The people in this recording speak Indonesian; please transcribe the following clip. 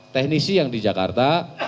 teknisi yang di jakarta